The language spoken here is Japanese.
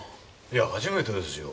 いや初めてですよ。